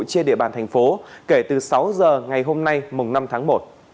trên địa bàn thành phố kể từ sáu h ngày hôm nay năm tháng một